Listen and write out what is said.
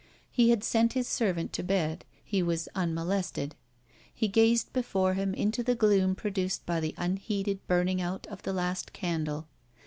He had sent his servant to bed; he was unmolested. He gazed before him into the gloom produced by the unheeded burning out of the last candle.